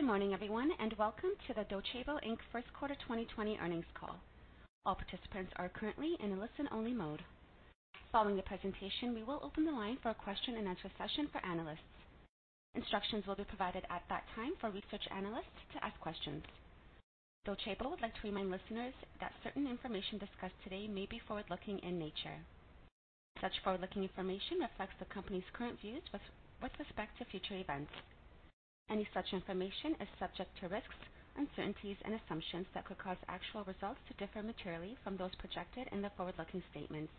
Good morning, everyone, and welcome to the Docebo Inc. First Quarter 2020 earnings call. All participants are currently in a listen-only mode. Following the presentation, we will open the line for a question-and-answer session for analysts. Instructions will be provided at that time for research analysts to ask questions. Docebo would like to remind listeners that certain information discussed today may be forward-looking in nature. Such forward-looking information reflects the company's current views with respect to future events. Any such information is subject to risks, uncertainties, and assumptions that could cause actual results to differ materially from those projected in the forward-looking statements.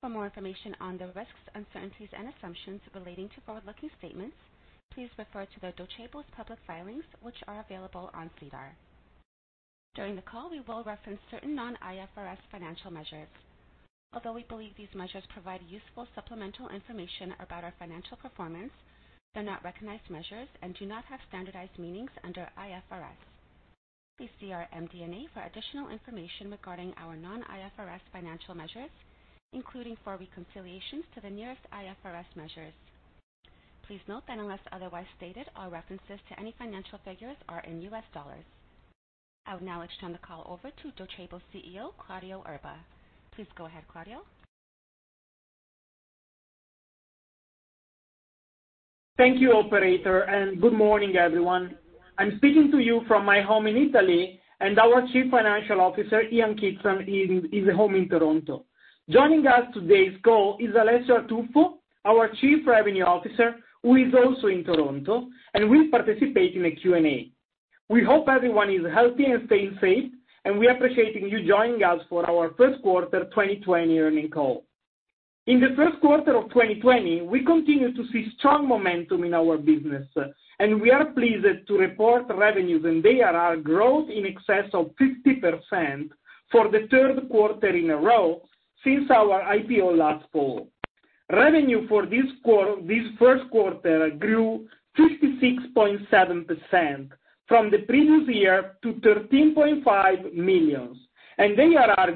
For more information on the risks, uncertainties, and assumptions relating to forward-looking statements, please refer to the Docebo's public filings, which are available on SEDAR. During the call, we will reference certain non-IFRS financial measures. Although we believe these measures provide useful supplemental information about our financial performance, they're not recognized measures and do not have standardized meanings under IFRS. Please see our MD&A for additional information regarding our non-IFRS financial measures, including for reconciliations to the nearest IFRS measures. Please note that unless otherwise stated, all references to any financial figures are in U.S. dollars. I will now extend the call over to Docebo CEO, Claudio Erba. Please go ahead, Claudio. Thank you, Operator, and good morning, everyone. I'm speaking to you from my home in Italy, and our Chief Financial Officer, Ian Kidson, is home in Toronto. Joining us on today's call is Alessio Artuffo, our Chief Revenue Officer, who is also in Toronto, and we'll participate in a Q&A. We hope everyone is healthy and staying safe, and we're appreciating you joining us for our First Quarter 2020 earnings call. In the first quarter of 2020, we continued to see strong momentum in our business, and we are pleased to report revenues and ARR growth in excess of 50% for the third quarter in a row since our IPO last fall. Revenue for this first quarter grew 56.7% from the previous year to $13.5 million, and ARR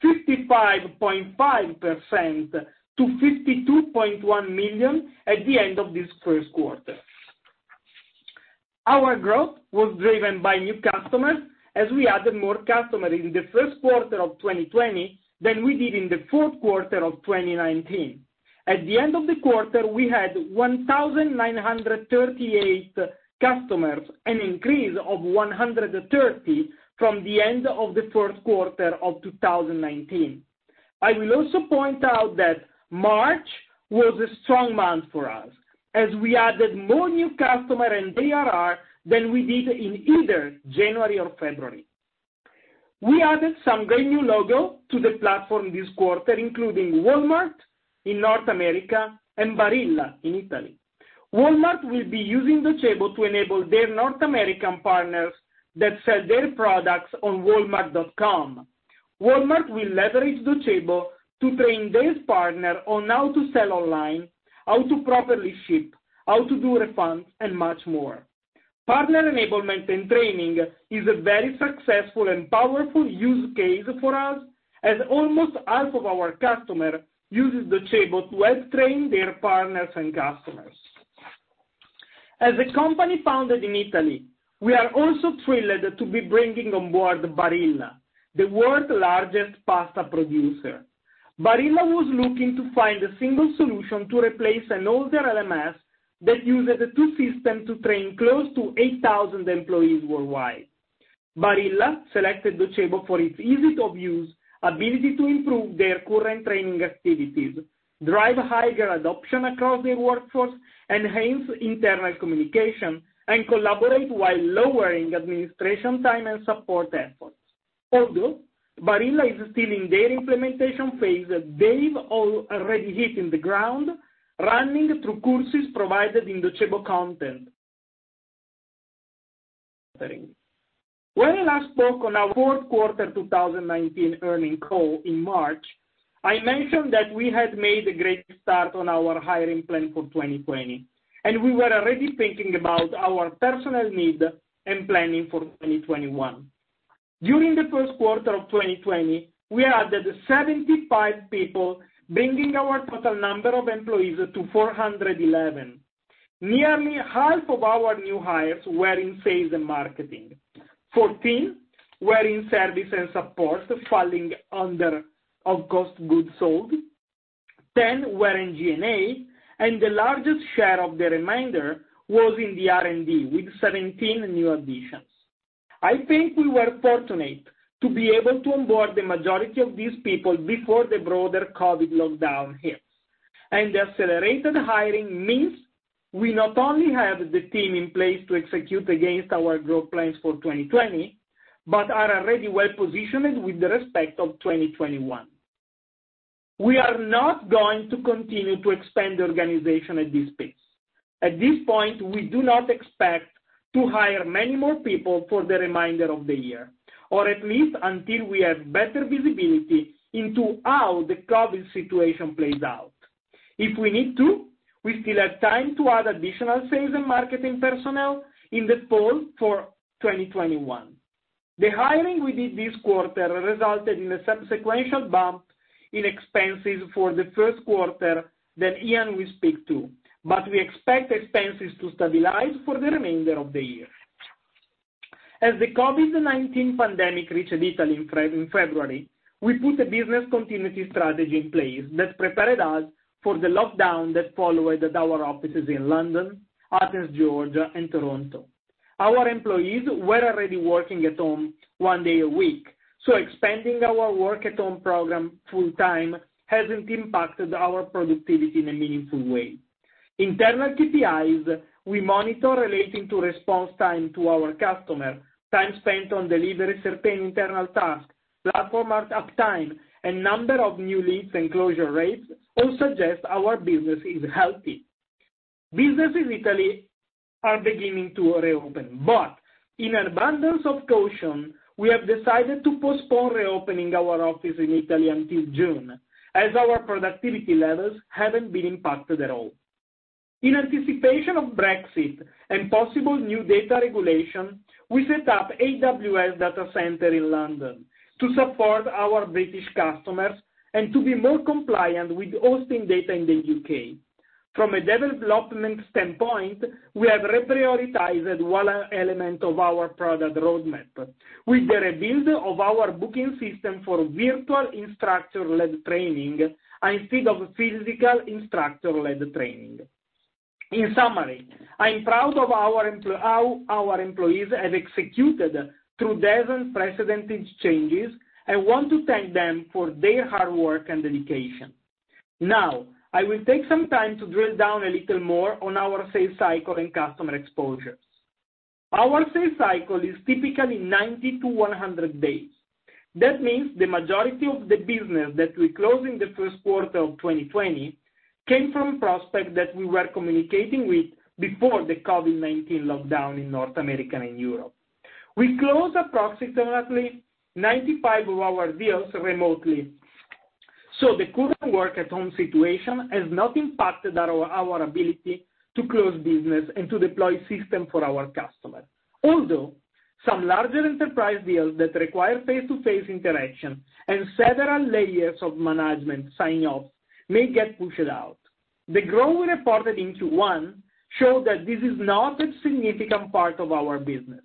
grew 55.5% to $52.1 million at the end of this first quarter. Our growth was driven by new customers, as we added more customers in the first quarter of 2020 than we did in the fourth quarter of 2019. At the end of the quarter, we had 1,938 customers, an increase of 130 from the end of the fourth quarter of 2019. I will also point out that March was a strong month for us, as we added more new customers in ARR than we did in either January or February. We added some brand-new logos to the platform this quarter, including Walmart in North America and Barilla in Italy. Walmart will be using Docebo to enable their North American partners that sell their products on Walmart.com. Walmart will leverage Docebo to train their partners on how to sell online, how to properly ship, how to do refunds, and much more. Partner enablement and training is a very successful and powerful use case for us, as almost half of our customers use Docebo to help train their partners and customers. As a company founded in Italy, we are also thrilled to be bringing on board Barilla, the world's largest pasta producer. Barilla was looking to find a single solution to replace an older LMS. They used two systems to train close to 8,000 employees worldwide. Barilla selected Docebo for its ease of use, ability to improve their current training activities, drive higher adoption across their workforce, enhance internal communication, and collaborate while lowering administration time and support efforts. Although Barilla is still in their implementation phase, they've already hit the ground running through courses provided in Docebo Content. When I last spoke on our Fourth Quarter 2019 earnings call in March, I mentioned that we had made a great start on our hiring plan for 2020, and we were already thinking about our personnel needs and planning for 2021. During the first quarter of 2020, we added 75 people, bringing our total number of employees to 411. Nearly half of our new hires were in sales and marketing. 14 were in service and support, falling under cost of goods sold. 10 were in G&A, and the largest share of the remainder was in the R&D with 17 new additions. I think we were fortunate to be able to onboard the majority of these people before the broader COVID lockdown hits, and the accelerated hiring means we not only have the team in place to execute against our growth plans for 2020, but are already well-positioned with respect to 2021. We are not going to continue to expand the organization at this pace. At this point, we do not expect to hire many more people for the remainder of the year, or at least until we have better visibility into how the COVID situation plays out. If we need to, we still have time to add additional sales and marketing personnel in the fall for 2021. The hiring we did this quarter resulted in a subsequent bump in expenses for the first quarter that Ian will speak to, but we expect expenses to stabilize for the remainder of the year. As the COVID-19 pandemic reached Italy in February, we put a business continuity strategy in place that prepared us for the lockdown that followed at our offices in London, Athens, Georgia, and Toronto. Our employees were already working at home one day a week, so expanding our work-at-home program full-time hasn't impacted our productivity in a meaningful way. Internal KPIs we monitor relating to response time to our customers, time spent on delivery certain internal tasks, platform uptime, and number of new leads and closure rates all suggest our business is healthy. Businesses in Italy are beginning to reopen, but in an abundance of caution, we have decided to postpone reopening our office in Italy until June, as our productivity levels haven't been impacted at all. In anticipation of Brexit and possible new data regulation, we set up AWS data center in London to support our British customers and to be more compliant with hosting data in the UK. From a development standpoint, we have reprioritized one element of our product roadmap, with the rebuild of our booking system for virtual instructor-led training instead of physical instructor-led training. In summary, I'm proud of how our employees have executed through these unprecedented changes and want to thank them for their hard work and dedication. Now, I will take some time to drill down a little more on our sales cycle and customer exposures. Our sales cycle is typically 90-100 days. That means the majority of the business that we closed in the first quarter of 2020 came from prospects that we were communicating with before the COVID-19 lockdown in North America and Europe. We closed approximately 95 of our deals remotely, so the current work-at-home situation has not impacted our ability to close business and to deploy systems for our customers. Although some larger enterprise deals that require face-to-face interaction and several layers of management sign-offs may get pushed out, the growth reported in Q1 showed that this is not a significant part of our business.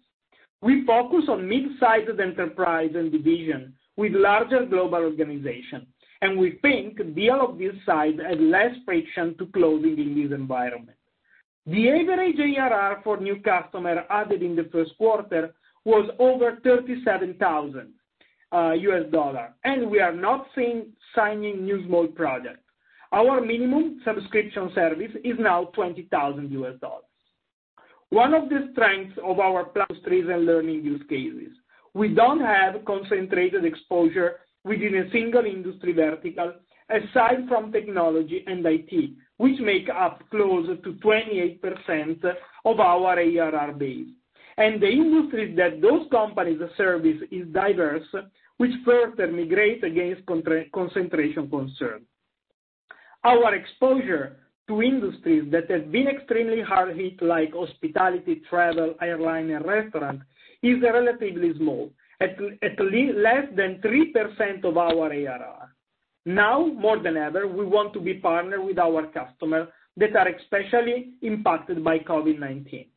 We focus on mid-sized enterprises and divisions with larger global organizations, and we think deals of this size have less friction to closing in this environment. The average ARR for new customers added in the first quarter was over $37,000, and we are not seeing signing new small projects. Our minimum subscription service is now $20,000. One of the strengths of our industry is learning use cases. We don't have concentrated exposure within a single industry vertical aside from technology and IT, which make up close to 28% of our ARR base, and the industry that those companies service is diverse, which further mitigates against concentration concerns. Our exposure to industries that have been extremely hard-hit, like hospitality, travel, airline, and restaurants, is relatively small, at less than 3% of our ARR. Now, more than ever, we want to be partners with our customers that are especially impacted by COVID-19.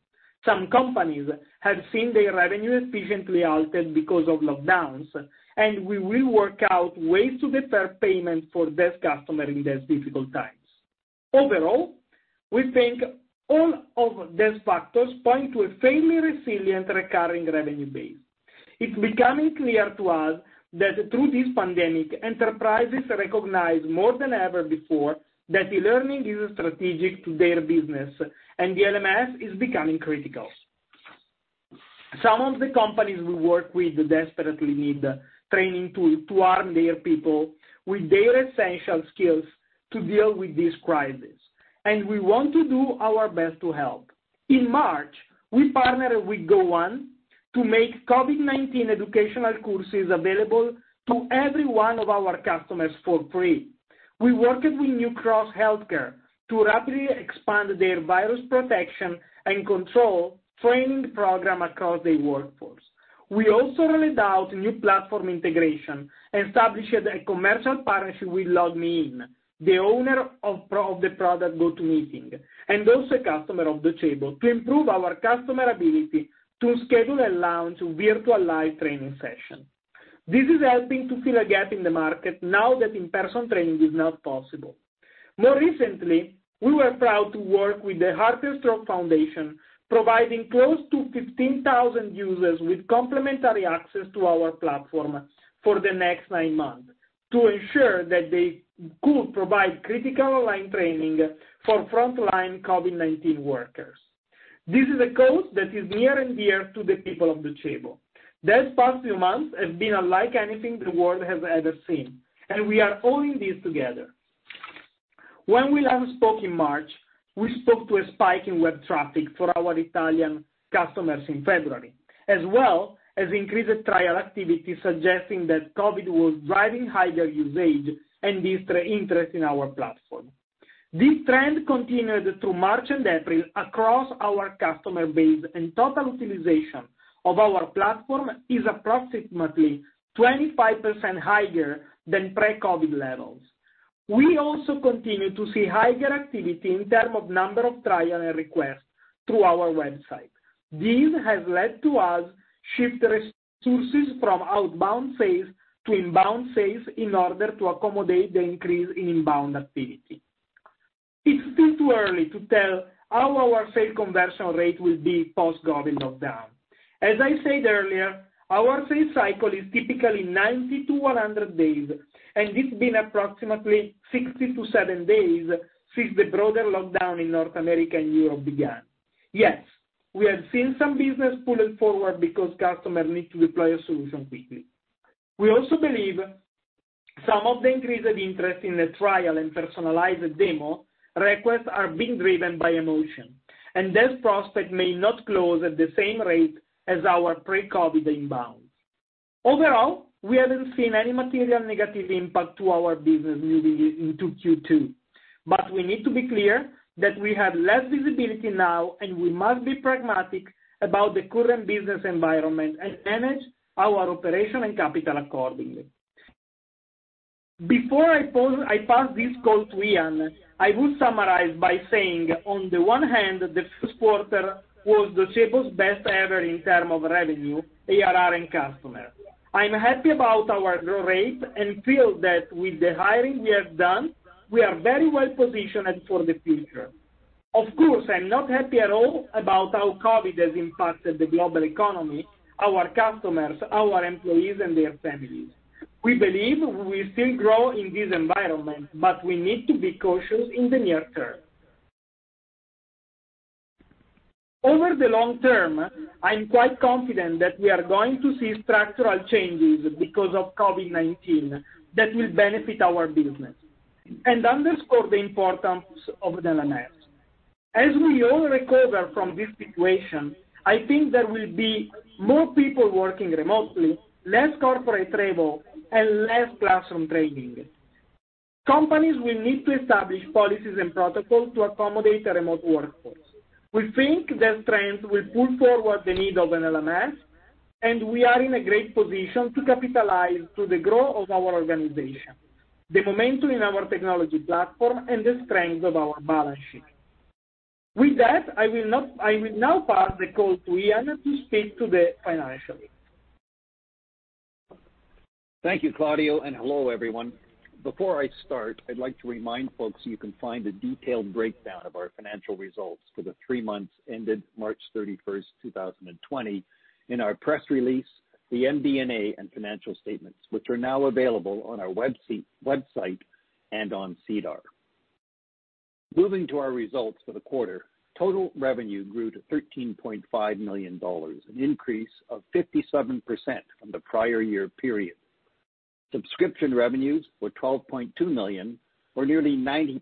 Some companies have seen their revenue efficiently altered because of lockdowns, and we will work out ways to defer payments for these customers in these difficult times. Overall, we think all of these factors point to a fairly resilient recurring revenue base. It's becoming clear to us that through this pandemic, enterprises recognize more than ever before that e-learning is strategic to their business, and the LMS is becoming critical. Some of the companies we work with desperately need training to arm their people with their essential skills to deal with this crisis, and we want to do our best to help. In March, we partnered with Go1 to make COVID-19 educational courses available to every one of our customers for free. We worked with Newcross Healthcare to rapidly expand their virus protection and control training program across their workforce. We also rolled out new platform integration and established a commercial partnership with LogMeIn, the owner of the product GoToMeeting, and also a customer of Docebo to improve our customer ability to schedule and launch virtual live training sessions. This is helping to fill a gap in the market now that in-person training is not possible. More recently, we were proud to work with the Heart and Stroke Foundation of Canada, providing close to 15,000 users with complementary access to our platform for the next nine months to ensure that they could provide critical online training for frontline COVID-19 workers. This is a cause that is near and dear to the people of Docebo. These past few months have been unlike anything the world has ever seen, and we are all in this together. When we last spoke in March, we spoke to a spike in web traffic for our Italian customers in February, as well as increased trial activity suggesting that COVID was driving higher usage and distant interest in our platform. This trend continued through March and April across our customer base, and total utilization of our platform is approximately 25% higher than pre-COVID levels. We also continue to see higher activity in terms of number of trials and requests through our website. This has led to us shifting resources from outbound sales to inbound sales in order to accommodate the increase in inbound activity. It's still too early to tell how our sales conversion rate will be post-COVID lockdown. As I said earlier, our sales cycle is typically 90-100 days, and it's been approximately 60-70 days since the broader lockdown in North America and Europe began. Yes, we have seen some business pull forward because customers need to deploy a solution quickly. We also believe some of the increased interest in the trial and personalized demo requests are being driven by emotion, and these prospects may not close at the same rate as our pre-COVID inbounds. Overall, we haven't seen any material negative impact to our business moving into Q2, but we need to be clear that we have less visibility now, and we must be pragmatic about the current business environment and manage our operation and capital accordingly. Before I pass this call to Ian, I will summarize by saying, on the one hand, the first quarter was Docebo's best ever in terms of revenue, ARR, and customers. I'm happy about our growth rate and feel that with the hiring we have done, we are very well-positioned for the future. Of course, I'm not happy at all about how COVID has impacted the global economy, our customers, our employees, and their families. We believe we will still grow in this environment, but we need to be cautious in the near term. Over the long term, I'm quite confident that we are going to see structural changes because of COVID-19 that will benefit our business and underscore the importance of the LMS. As we all recover from this situation, I think there will be more people working remotely, less corporate travel, and less classroom training. Companies will need to establish policies and protocols to accommodate a remote workforce. We think these trends will pull forward the need of an LMS, and we are in a great position to capitalize on the growth of our organization, the momentum in our technology platform, and the strength of our balance sheet. With that, I will now pass the call to Ian to speak to the financials. Thank you, Claudio, and hello, everyone. Before I start, I'd like to remind folks you can find a detailed breakdown of our financial results for the three months ended March 31, 2020, in our press release, the MD&A and financial statements, which are now available on our website and on SEDAR. Moving to our results for the quarter, total revenue grew to $13.5 million, an increase of 57% from the prior year period. Subscription revenues were $12.2 million, or nearly 90%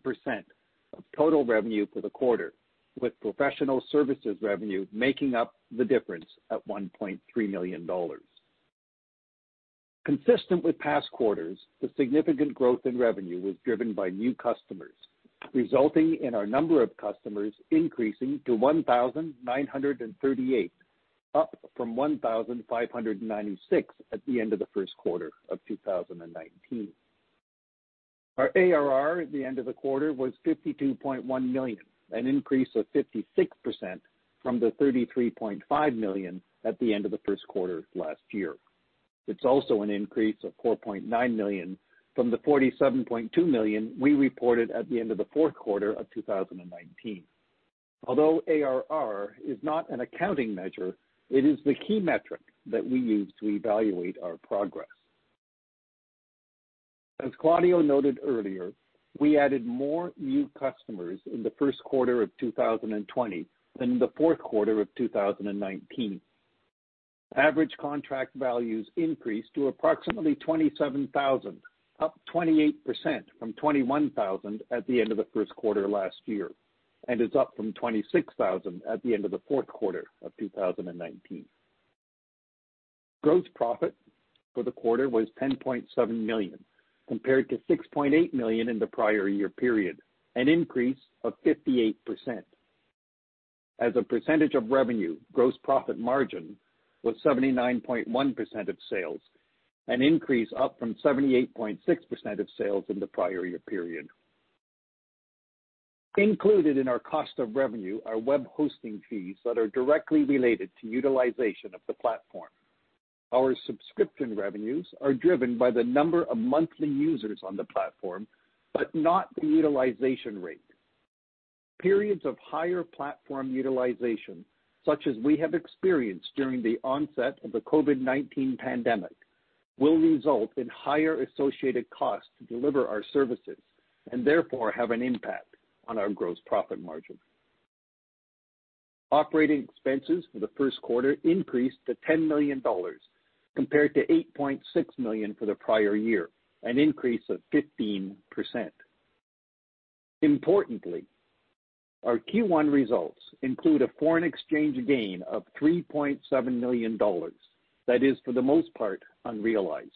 of total revenue for the quarter, with professional services revenue making up the difference at $1.3 million. Consistent with past quarters, the significant growth in revenue was driven by new customers, resulting in our number of customers increasing to 1,938, up from 1,596 at the end of the first quarter of 2019. Our ARR at the end of the quarter was $52.1 million, an increase of 56% from the $33.5 million at the end of the first quarter last year. It's also an increase of $4.9 million from the $47.2 million we reported at the end of the fourth quarter of 2019. Although ARR is not an accounting measure, it is the key metric that we use to evaluate our progress. As Claudio noted earlier, we added more new customers in the first quarter of 2020 than in the fourth quarter of 2019. Average contract values increased to approximately $27,000, up 28% from $21,000 at the end of the first quarter last year and is up from $26,000 at the end of the fourth quarter of 2019. Gross profit for the quarter was $10.7 million compared to $6.8 million in the prior year period, an increase of 58%. As a percentage of revenue, gross profit margin was 79.1% of sales, an increase up from 78.6% of sales in the prior year period. Included in our cost of revenue are web hosting fees that are directly related to utilization of the platform. Our subscription revenues are driven by the number of monthly users on the platform, but not the utilization rate. Periods of higher platform utilization, such as we have experienced during the onset of the COVID-19 pandemic, will result in higher associated costs to deliver our services and therefore have an impact on our gross profit margin. Operating expenses for the first quarter increased to $10 million compared to $8.6 million for the prior year, an increase of 15%. Importantly, our Q1 results include a foreign exchange gain of $3.7 million that is, for the most part, unrealized.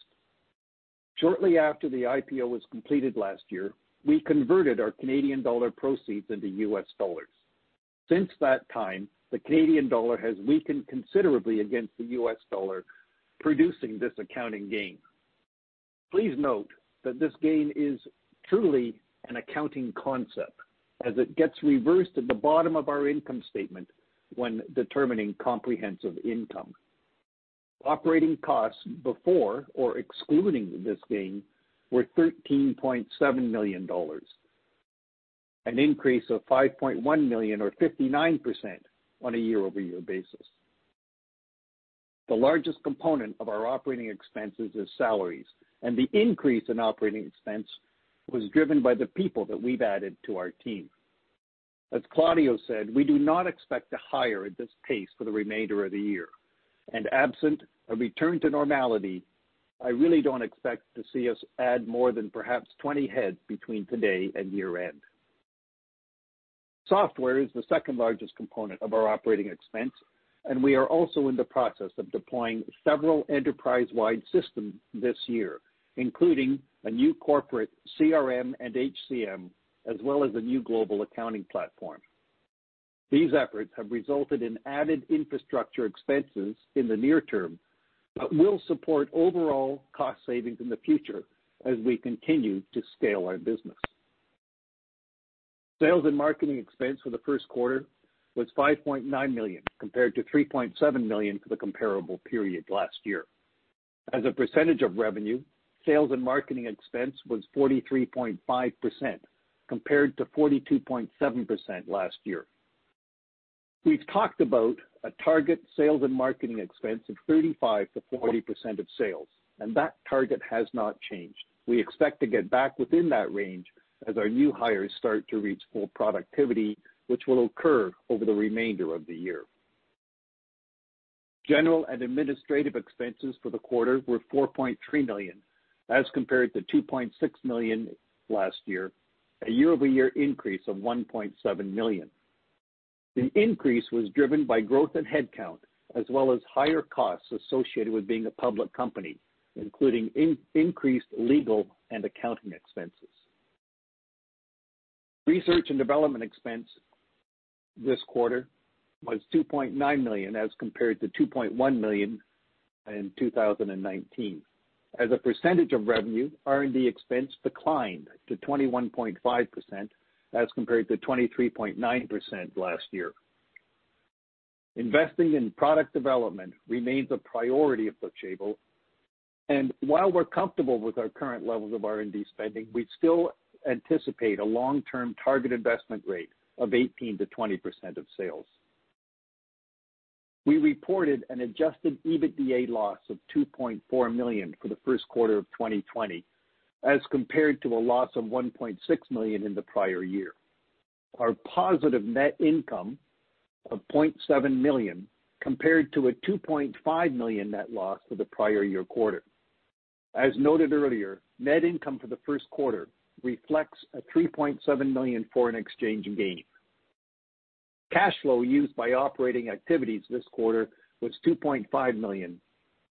Shortly after the IPO was completed last year, we converted our Canadian dollar proceeds into U.S. dollars. Since that time, the Canadian dollar has weakened considerably against the U.S. dollar, producing this accounting gain. Please note that this gain is truly an accounting concept, as it gets reversed at the bottom of our income statement when determining comprehensive income. Operating costs before or excluding this gain were $13.7 million, an increase of $5.1 million, or 59% on a year-over-year basis. The largest component of our operating expenses is salaries, and the increase in operating expense was driven by the people that we've added to our team. As Claudio said, we do not expect to hire at this pace for the remainder of the year, and absent a return to normality, I really don't expect to see us add more than perhaps 20 heads between today and year-end. Software is the second largest component of our operating expense, and we are also in the process of deploying several enterprise-wide systems this year, including a new corporate CRM and HCM, as well as a new global accounting platform. These efforts have resulted in added infrastructure expenses in the near term that will support overall cost savings in the future as we continue to scale our business. Sales and marketing expense for the first quarter was $5.9 million compared to $3.7 million for the comparable period last year. As a percentage of revenue, sales and marketing expense was 43.5% compared to 42.7% last year. We've talked about a target sales and marketing expense of 35%-40% of sales, and that target has not changed. We expect to get back within that range as our new hires start to reach full productivity, which will occur over the remainder of the year. General and Administrative expenses for the quarter were $4.3 million as compared to $2.6 million last year, a year-over-year increase of $1.7 million. The increase was driven by growth in headcount, as well as higher costs associated with being a public company, including increased legal and accounting expenses. Research and Development expense this quarter was $2.9 million as compared to $2.1 million in 2019. As a percentage of revenue, R&D expense declined to 21.5% as compared to 23.9% last year. Investing in product development remains a priority of Docebo, and while we're comfortable with our current levels of R&D spending, we still anticipate a long-term target investment rate of 18%-20% of sales. We reported an Adjusted EBITDA loss of $2.4 million for the first quarter of 2020 as compared to a loss of $1.6 million in the prior year. Our positive net income of $0.7 million compared to a $2.5 million net loss for the prior year quarter. As noted earlier, net income for the first quarter reflects a $3.7 million foreign exchange gain. Cash flow used by operating activities this quarter was $2.5 million,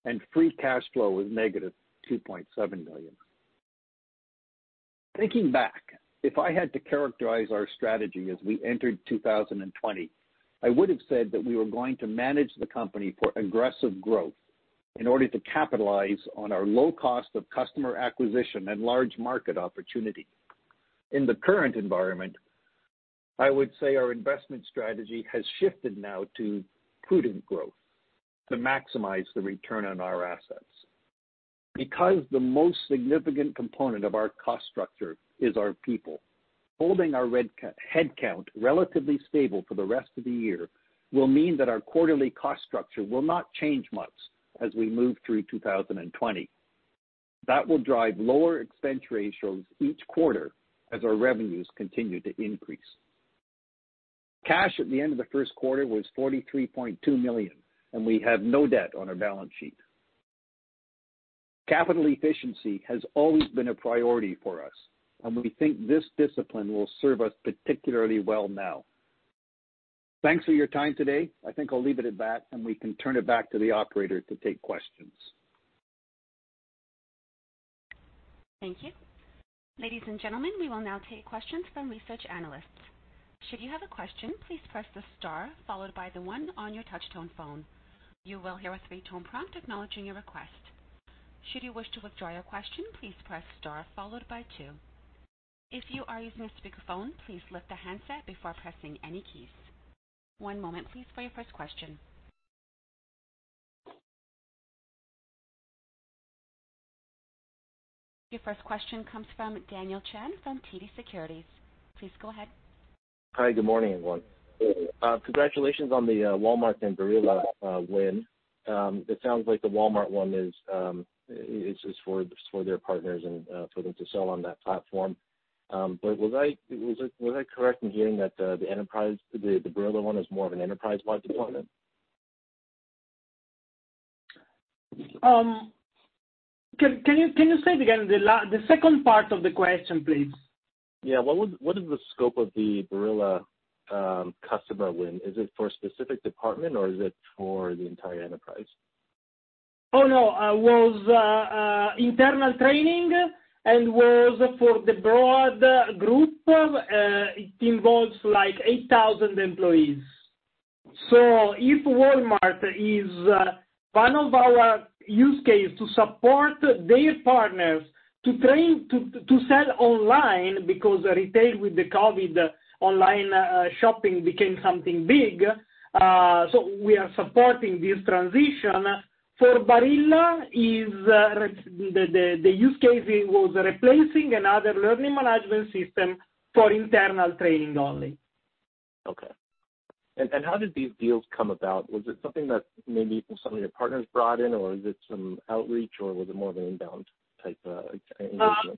and Free Cash Flow was negative $2.7 million. Thinking back, if I had to characterize our strategy as we entered 2020, I would have said that we were going to manage the company for aggressive growth in order to capitalize on our low cost of customer acquisition and large market opportunity. In the current environment, I would say our investment strategy has shifted now to prudent growth to maximize the return on our assets. Because the most significant component of our cost structure is our people, holding our headcount relatively stable for the rest of the year will mean that our quarterly cost structure will not change much as we move through 2020. That will drive lower expense ratios each quarter as our revenues continue to increase. Cash at the end of the first quarter was $43.2 million, and we have no debt on our balance sheet. Capital efficiency has always been a priority for us, and we think this discipline will serve us particularly well now. Thanks for your time today. I think I'll leave it at that, and we can turn it back to the operator to take questions. Thank you. Ladies and gentlemen, we will now take questions from research analysts. Should you have a question, please press the star followed by the one on your touch-tone phone. You will hear a three-tone prompt acknowledging your request. Should you wish to withdraw your question, please press star followed by two. If you are using a speakerphone, please lift the handset before pressing any keys. One moment, please, for your first question. Your first question comes from Daniel Chan from TD Securities. Please go ahead. Hi. Good morning, everyone. Congratulations on the Walmart and Barilla win. It sounds like the Walmart one is for their partners and for them to sell on that platform. But was I correct in hearing that the Barilla one is more of an enterprise-wide deployment? Can you say it again? The second part of the question, please. Yeah. What is the scope of the Barilla customer win? Is it for a specific department, or is it for the entire enterprise? Oh, no. It was internal training and was for the broad group. It involves like 8,000 employees. So if Walmart is one of our use cases to support their partners to sell online because retail with the COVID online shopping became something big, so we are supporting this transition for Barilla. The use case was replacing another learning management system for internal training only. Okay. And how did these deals come about? Was it something that maybe some of your partners brought in, or is it some outreach, or was it more of an inbound type of engagement?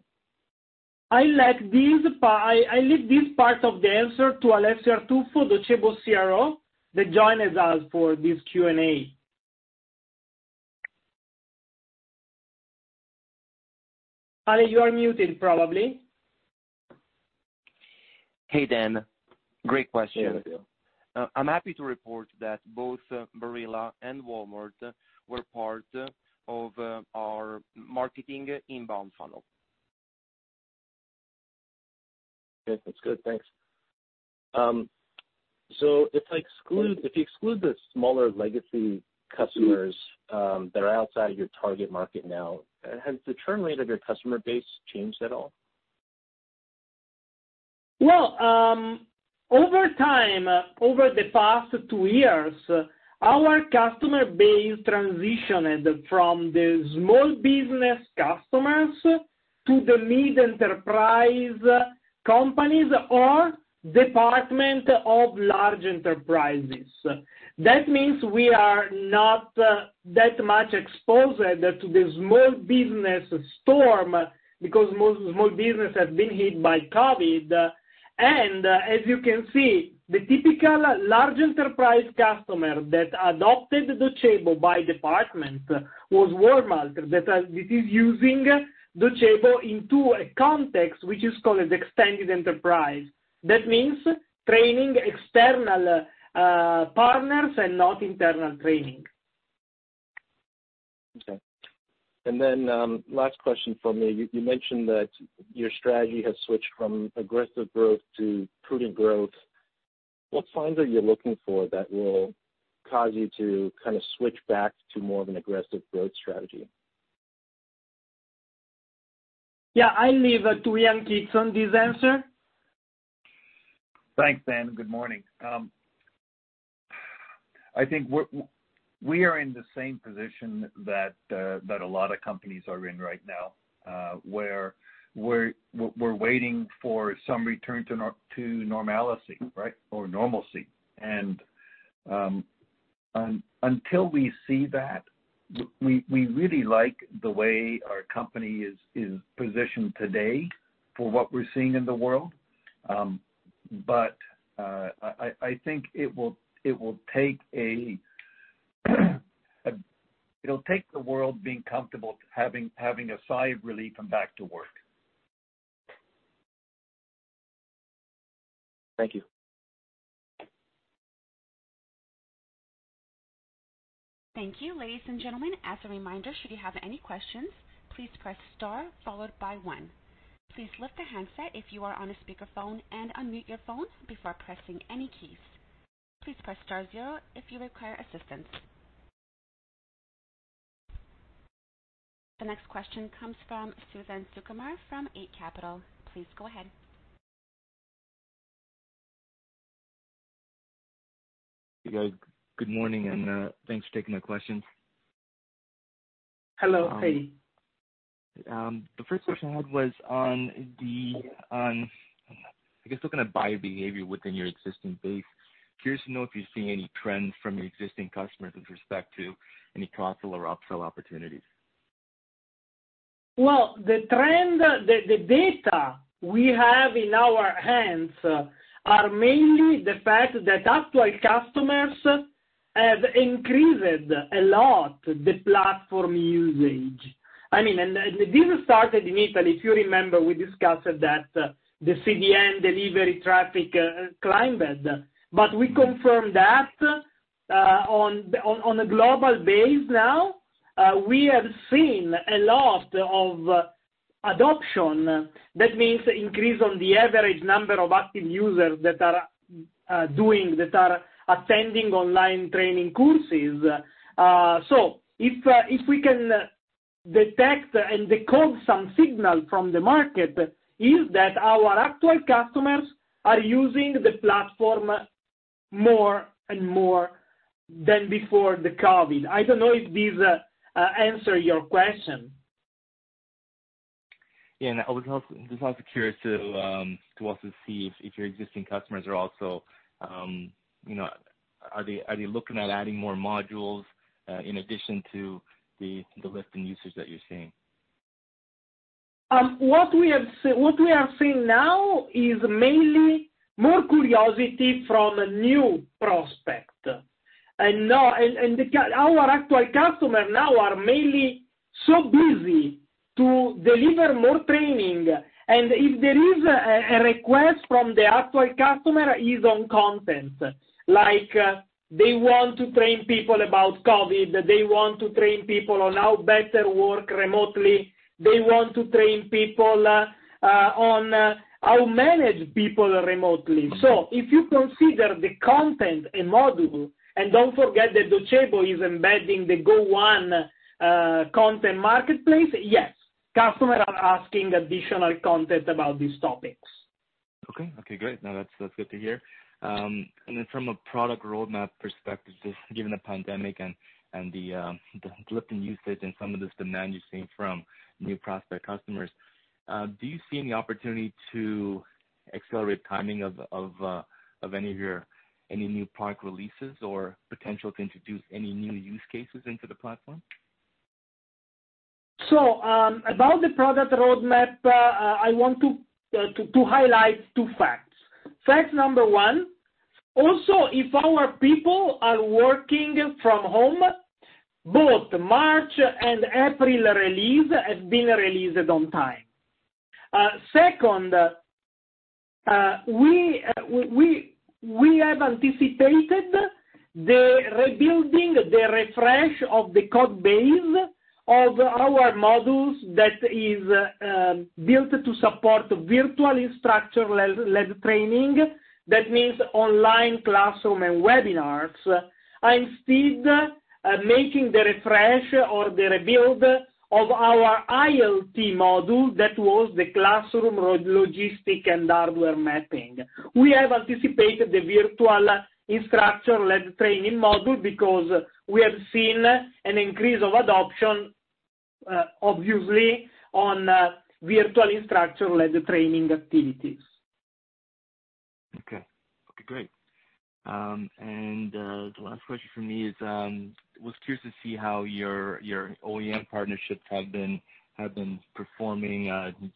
I leave these parts of the answer to Alessio Artuffo, Docebo CRO, that joined us for this Q&A. Ale, you are muted, probably. Hey, Dan. Great question. I'm happy to report that both Barilla and Walmart were part of our marketing inbound funnel. Okay. That's good. Thanks. So if you exclude the smaller legacy customers that are outside of your target market now, has the churn rate of your customer base changed at all? Well, over time, over the past two years, our customer base transitioned from the small business customers to the mid-enterprise companies or departments of large enterprises. That means we are not that much exposed to the small business storm because small business has been hit by COVID. And as you can see, the typical large enterprise customer that adopted Docebo by department was Walmart that is using Docebo in a context which is called extended enterprise. That means training external partners and not internal training. Okay. And then last question for me. You mentioned that your strategy has switched from aggressive growth to prudent growth. What signs are you looking for that will cause you to kind of switch back to more of an aggressive growth strategy? Yeah. I leave to Ian M. Kidson this answer. Thanks, Dan. Good morning. I think we are in the same position that a lot of companies are in right now, where we're waiting for some return to normalcy, right, or normalcy. And until we see that, we really like the way our company is positioned today for what we're seeing in the world. But I think it will take the world being comfortable having a sigh of relief and back to work. Thank you. Thank you. Ladies and gentlemen, as a reminder, should you have any questions, please press star followed by one. Please lift the handset if you are on a speakerphone and unmute your phone before pressing any keys. Please press star zero if you require assistance. The next question comes from Suthan Sukumar from Eight Capital. Please go ahead. Good morning, and thanks for taking my questions. Hello. Hey. The first question I had was on the, I guess, looking at buyer behavior within your existing base. Curious to know if you're seeing any trends from your existing customers with respect to any cross-sell or up-sell opportunities. Well, the data we have in our hands are mainly the fact that actual customers have increased a lot the platform usage. I mean, and this started in Italy. If you remember, we discussed that the CDN delivery traffic climbed. But we confirm that on a global base now, we have seen a lot of adoption. That means increase on the average number of active users that are attending online training courses. So if we can detect and decode some signal from the market, is that our actual customers are using the platform more and more than before the COVID? I don't know if this answers your question. Yeah. And I was also curious to see if your existing customers are they looking at adding more modules in addition to the lift in usage that you're seeing? What we are seeing now is mainly more curiosity from a new prospect. And our actual customers now are mainly so busy to deliver more training. And if there is a request from the actual customer, it is on content. Like they want to train people about COVID. They want to train people on how better work remotely. They want to train people on how to manage people remotely. So if you consider the content and module, and don't forget that Docebo is embedding the GO1 content marketplace, yes, customers are asking additional content about these topics. Okay. Okay. Great. No, that's good to hear. And then from a product roadmap perspective, just given the pandemic and the lift in usage and some of this demand you're seeing from new prospect customers, do you see any opportunity to accelerate timing of any new product releases or potential to introduce any new use cases into the platform? So about the product roadmap, I want to highlight two facts. Fact number one. Also, if our people are working from home, both March and April release have been released on time. Second, we have anticipated the rebuilding, the refresh of the code base of our modules that is built to support virtual instructor-led training. That means online classroom and webinars. I'm still making the refresh or the rebuild of our ILT module that was the classroom logistics and hardware mapping. We have anticipated the virtual instructor-led training module because we have seen an increase of adoption, obviously, on virtual instructor-led training activities. Okay. Okay. Great. And the last question for me is I was curious to see how your OEM partnerships have been performing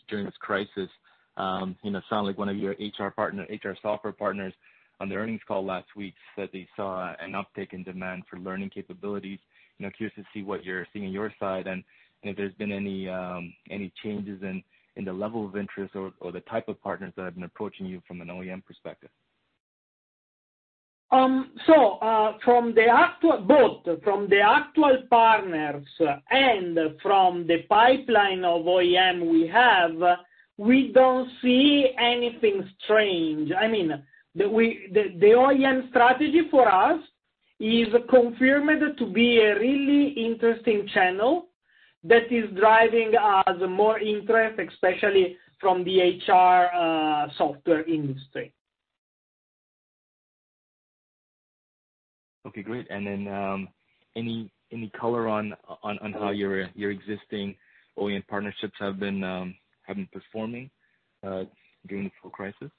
during this crisis. It sounded like one of your HR software partners on the earnings call last week said they saw an uptick in demand for learning capabilities. Curious to see what you're seeing on your side and if there's been any changes in the level of interest or the type of partners that have been approaching you from an OEM perspective. So from the actual both, from the actual partners and from the pipeline of OEM we have, we don't see anything strange. I mean, the OEM strategy for us is confirmed to be a really interesting channel that is driving us more interest, especially from the HR software industry. Okay. Great. And then any color on how your existing OEM partnerships have been performing during the full crisis?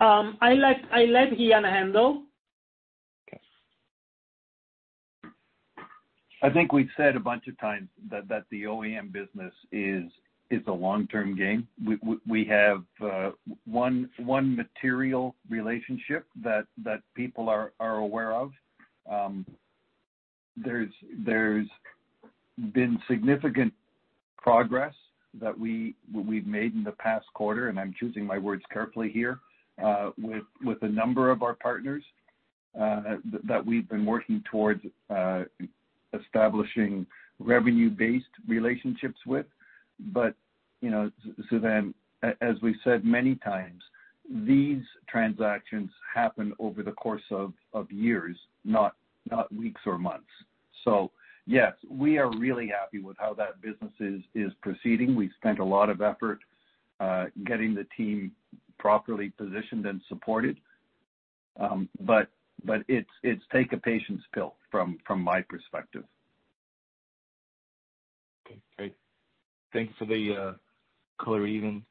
I let Ian handle. Okay. I think we've said a bunch of times that the OEM business is a long-term game. We have one material relationship that people are aware of. There's been significant progress that we've made in the past quarter, and I'm choosing my words carefully here, with a number of our partners that we've been working towards establishing revenue-based relationships with. But Suthan, as we've said many times, these transactions happen over the course of years, not weeks or months. So yes, we are really happy with how that business is proceeding. We've spent a lot of effort getting the team properly positioned and supported. But it's taken a patience pill from my perspective. Okay. Great. Thank you for the clarity,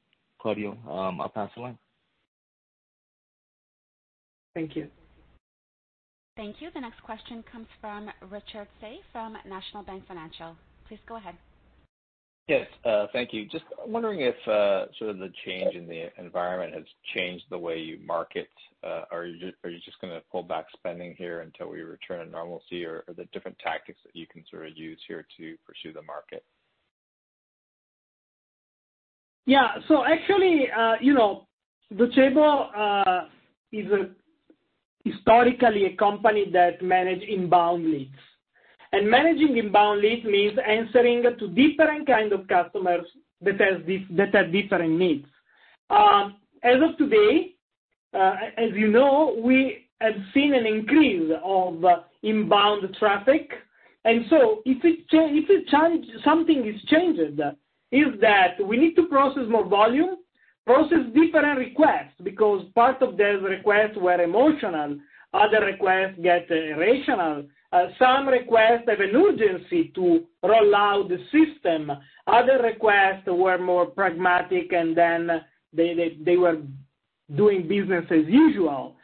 Claudio. I'll pass it along. Thank you. Thank you. The next question comes from Richard Tse from National Bank Financial. Please go ahead. Yes. Thank you. Just wondering if sort of the change in the environment has changed the way you market. Are you just going to pull back spending here until we return to normalcy, or are there different tactics that you can sort of use here to pursue the market? Yeah. So actually, Docebo is historically a company that manages inbound leads. And managing inbound leads means answering to different kinds of customers that have different needs. As of today, as you know, we have seen an increase of inbound traffic. If something is changed, it's that we need to process more volume, process different requests because part of those requests were emotional. Other requests get irrational. Some requests have an urgency to roll out the system. Other requests were more pragmatic, and then they were doing business as usual.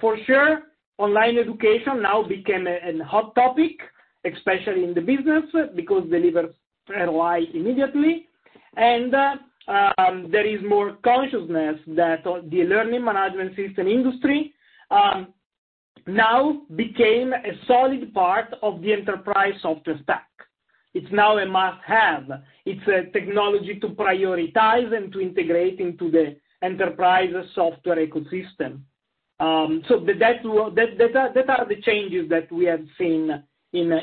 For sure, online education now became a hot topic, especially in the business because delivers ROI immediately. There is more consciousness that the learning management system industry now became a solid part of the enterprise software stack. It's now a must-have. It's a technology to prioritize and to integrate into the enterprise software ecosystem. Those are the changes that we have seen in the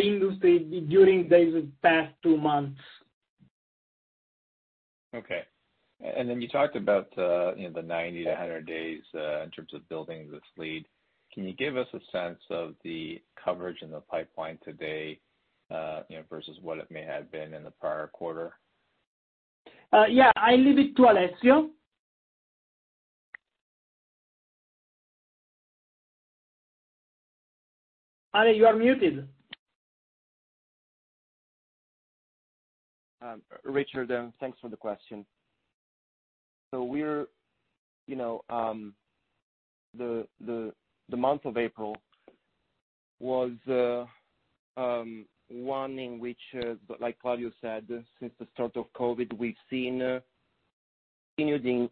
industry during these past two months. Okay. You talked about the 90-100 days in terms of building this lead. Can you give us a sense of the coverage in the pipeline today versus what it may have been in the prior quarter? Yeah. I leave it to Alessio. Alle, you are muted. Richard, thanks for the question. So the month of April was one in which, like Claudio said, since the start of COVID, we've seen an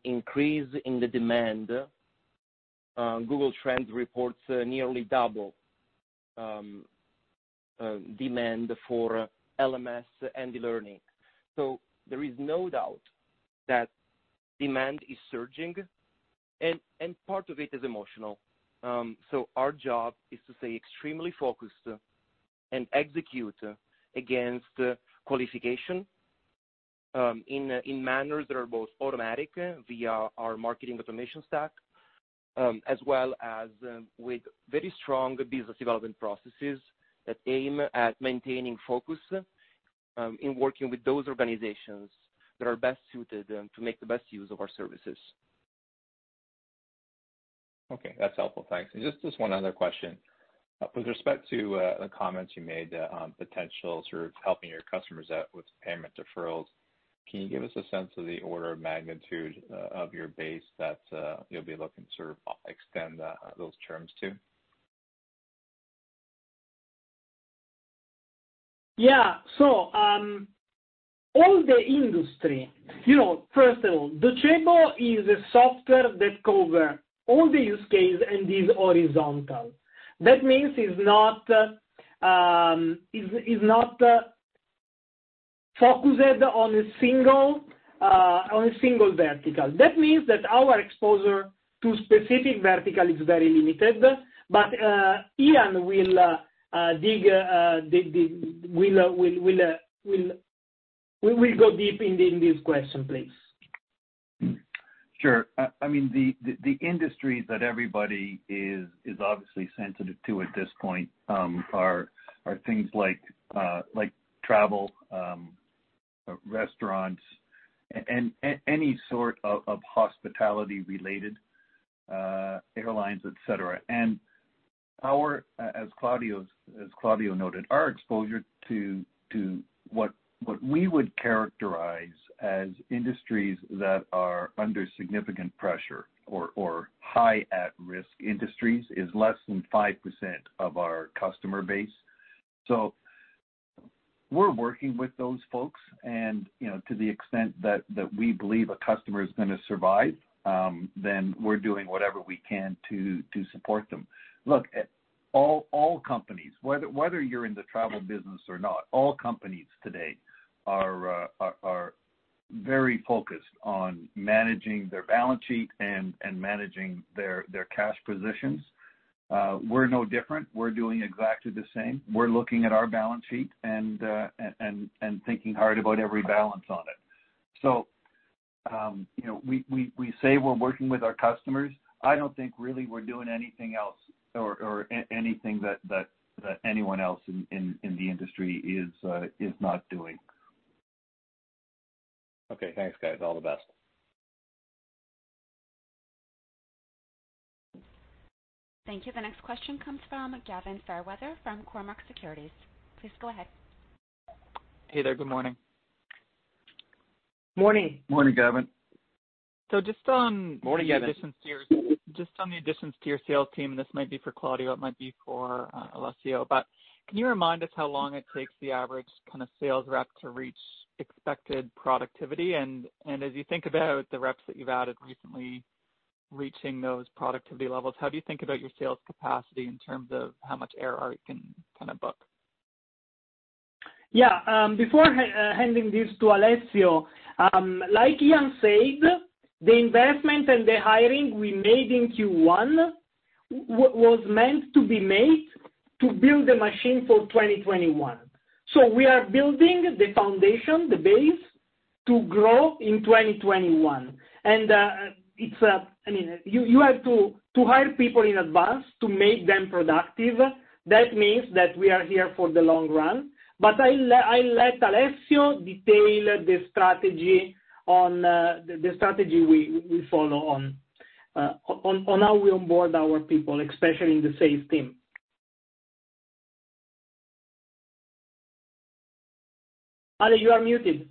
increase in the demand. Google Trends reports nearly double demand for LMS and e-learning. So there is no doubt that demand is surging, and part of it is emotional. So our job is to stay extremely focused and execute against qualification in manners that are both automatic via our marketing automation stack, as well as with very strong business development processes that aim at maintaining focus in working with those organizations that are best suited to make the best use of our services. Okay. That's helpful. Thanks. And just one other question. With respect to the comments you made on potential sort of helping your customers out with payment deferrals, can you give us a sense of the order of magnitude of your base that you'll be looking to sort of extend those terms to? Yeah. So all the industry, first of all, Docebo is a software that covers all the use cases and is horizontal. That means it's not focused on a single vertical. That means that our exposure to specific verticals is very limited. But Ian will go deep in this question, please. Sure. I mean, the industries that everybody is obviously sensitive to at this point are things like travel, restaurants, and any sort of hospitality-related airlines, etc. And as Claudio noted, our exposure to what we would characterize as industries that are under significant pressure or high-at-risk industries is less than 5% of our customer base. So we're working with those folks. And to the extent that we believe a customer is going to survive, then we're doing whatever we can to support them. Look, all companies, whether you're in the travel business or not, all companies today are very focused on managing their balance sheet and managing their cash positions. We're no different. We're doing exactly the same. We're looking at our balance sheet and thinking hard about every balance on it. So we say we're working with our customers. I don't think really we're doing anything else or anything that anyone else in the industry is not doing. Okay. Thanks, guys. All the best. Thank you. The next question comes from Gavin Fairweather from Cormark Securities. Please go ahead. Hey there. Good morning. Morning. Morning, Gavin. Morning, Gavin. Additions to your sales team, and this might be for Claudio. It might be for Alessio. But can you remind us how long it takes the average kind of sales rep to reach expected productivity? And as you think about the reps that you've added recently reaching those productivity levels, how do you think about your sales capacity in terms of how much ARR you can kind of book? Yeah. Before handing this to Alessio, like Ian said, the investment and the hiring we made in Q1 was meant to be made to build the machine for 2021, so we are building the foundation, the base to grow in 2021, and I mean, you have to hire people in advance to make them productive. That means that we are here for the long run, but I let Alessio detail the strategy on the strategy we follow on how we onboard our people, especially in the sales team. Alessio, you are muted.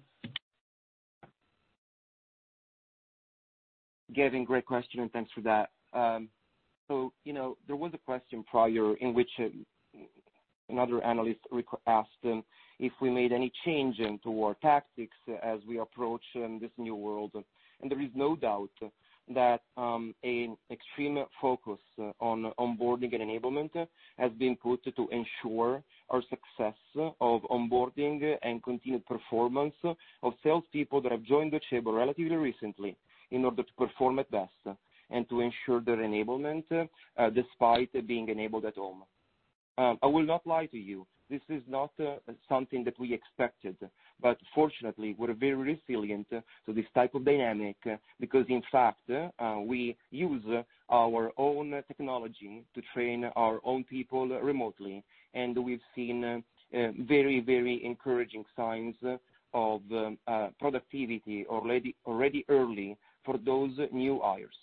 Gavin, great question, and thanks for that. So there was a question prior in which another analyst asked if we made any change in our tactics as we approach this new world. And there is no doubt that an extreme focus on onboarding and enablement has been put to ensure our success of onboarding and continued performance of salespeople that have joined Docebo relatively recently in order to perform at best and to ensure their enablement despite being enabled at home. I will not lie to you. This is not something that we expected. But fortunately, we're very resilient to this type of dynamic because, in fact, we use our own technology to train our own people remotely. And we've seen very, very encouraging signs of productivity already early for those new hires.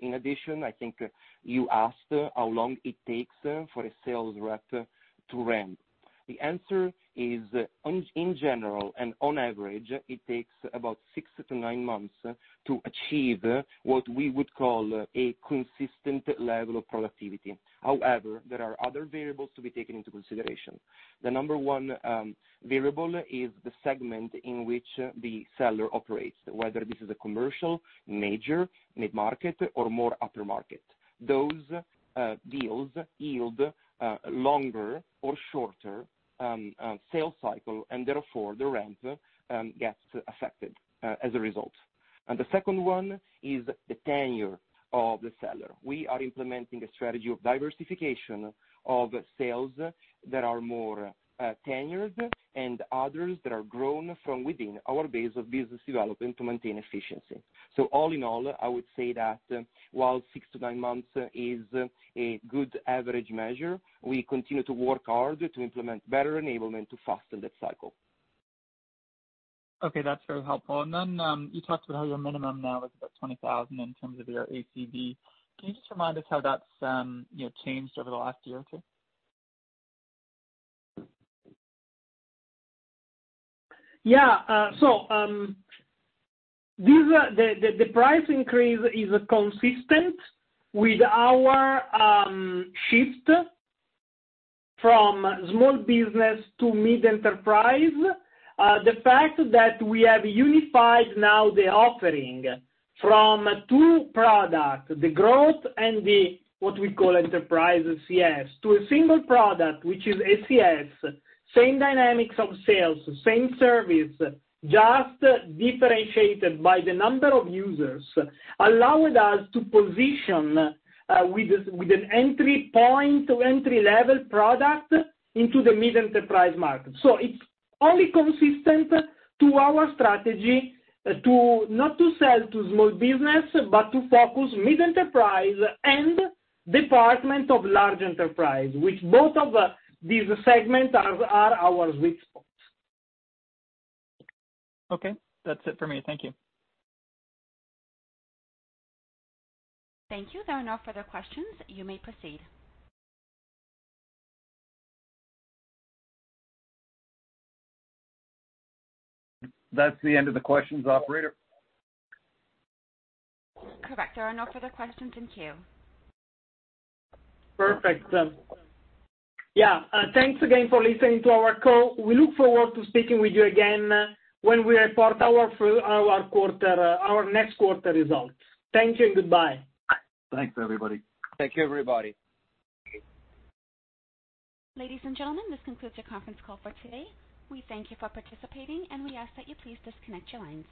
In addition, I think you asked how long it takes for a sales rep to ramp. The answer is, in general and on average, it takes about six to nine months to achieve what we would call a consistent level of productivity. However, there are other variables to be taken into consideration. The number one variable is the segment in which the seller operates, whether this is a commercial, major, mid-market, or more upper market. Those deals yield a longer or shorter sales cycle, and therefore the ramp gets affected as a result. And the second one is the tenure of the seller. We are implementing a strategy of diversification of sales that are more tenured and others that are grown from within our base of business development to maintain efficiency. So all in all, I would say that while six to nine months is a good average measure, we continue to work hard to implement better enablement to foster that cycle. Okay. That's very helpful. And then you talked about how your minimum now is about $20,000 in terms of your ACV. Can you just remind us how that's changed over the last year or two? Yeah. So the price increase is consistent with our shift from small business to mid-enterprise. The fact that we have unified now the offering from two products, the growth and what we call enterprise CS, to a single product, which is ACS, same dynamics of sales, same service, just differentiated by the number of users, allowed us to position with an entry point, entry-level product into the mid-enterprise market. So it's only consistent to our strategy to not sell to small business, but to focus mid-enterprise and department of large enterprise, which both of these segments are our sweet spots. Okay. That's it for me. Thank you. Thank you. There are no further questions. You may proceed. That's the end of the questions, operator. Correct. There are no further questions in queue. Perfect. Yeah. Thanks again for listening to our call. We look forward to speaking with you again when we report our next quarter results. Thank you and goodbye. Thanks, everybody. Thank you, everybody. Ladies and gentlemen, this concludes our conference call for today. We thank you for participating, and we ask that you please disconnect your lines.